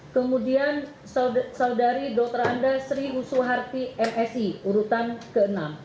kemudian saudari dokter anda sri usuharti msi urutan ke enam